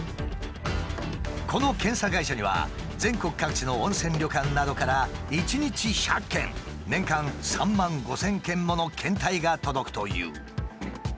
この検査会社には全国各地の温泉旅館などから一日１００件年間３万５，０００件もの検体が届くという。